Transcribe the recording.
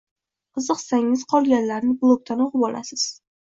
Qiziqsangiz, qolganlarini blogdan oʻqib olasiz